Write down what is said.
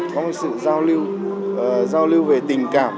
có sự giao lưu giao lưu về tình cảm